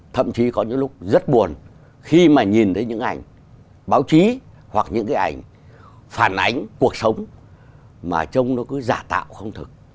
thậm chí có những lúc rất buồn khi mà nhìn thấy những ảnh báo chí hoặc những cái ảnh phản ánh cuộc sống mà trông nó cứ giả tạo không thực